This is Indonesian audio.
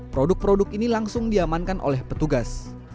produk produk ini langsung diamankan oleh petugas